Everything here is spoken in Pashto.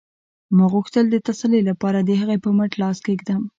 ما غوښتل د تسلۍ لپاره د هغې په مټ لاس کېږدم